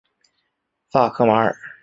萨克马尔。